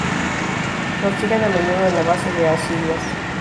Los fijan a menudo en la base de ascidias.